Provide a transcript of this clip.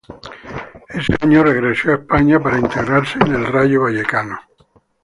Ese año regresó a España para integrarse al Rayo Vallecano.